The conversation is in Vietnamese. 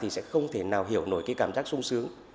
thì sẽ không thể nào hiểu nổi cái cảm giác sung sướng